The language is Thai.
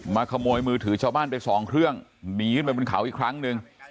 ขโมยมือถือชาวบ้านไปสองเครื่องหนีขึ้นไปบนเขาอีกครั้งหนึ่ง